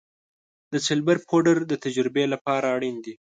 د سلفر پوډر د تجربې لپاره اړین دی.